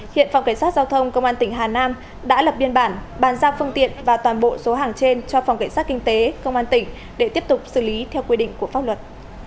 hiện phòng cảnh sát giao thông công an tỉnh hà nam đã lập biên bản bàn giao phương tiện và toàn bộ số hàng trên cho phòng cảnh sát kinh tế công an tỉnh để tiếp tục xử lý theo quy định của pháp luật